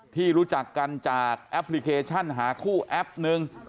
ที่รู้จักกันจากแอปพลิเคชันหาคู่แอปนึง